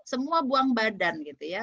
semua buang badan gitu ya